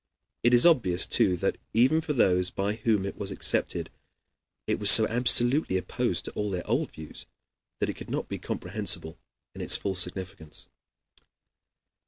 It is obvious, too, that even for those by whom it was accepted, it was so absolutely opposed to all their old views that it could not be comprehensible in its full significance.